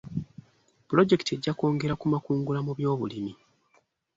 Pulojekiti ejja kwongera ku makungula mu byobulimi.